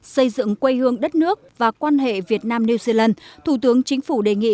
xây dựng quê hương đất nước và quan hệ việt nam new zealand thủ tướng chính phủ đề nghị